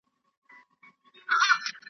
په پانوس کي به لا ګرځي د سوځلي وزر سیوري .